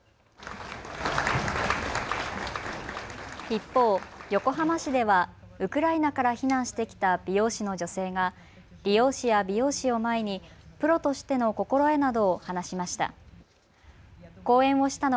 一方、横浜市ではウクライナから避難してきた美容師の女性が理容師や美容師を前にプロとしての心得などを話しました。